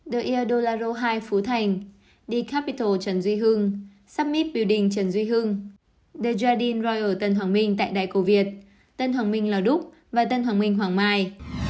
the el dorado hai phú thành de capital trần duy hương summit building trần duy hương the jardin royal tân hoàng minh tại đại cổ việt tân hoàng minh lào đúc và tân hoàng minh hoàng mai